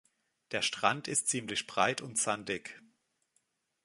Der Strand ist ziemlich breit und sandig.